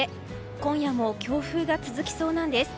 今夜も強風が続きそうなんです。